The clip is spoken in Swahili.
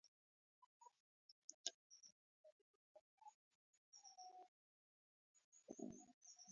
Kundi la waasi liliundwa kutoka kwa kundi lililokuwa likiongozwa na Generali Bosco Ntaganda, la Bunge la Taifa la Ulinzi wa Wananchi.